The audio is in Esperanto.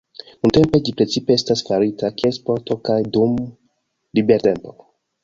Nuntempe ĝi precipe estas farita kiel sporto kaj dum libertempo.